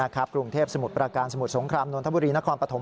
กรุงเทพสมุทรประการสมุทรสงครามนนทบุรีนครปฐม